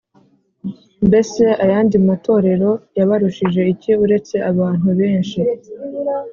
Mbese ayandi matorero yabarushije iki uretse abantu benshi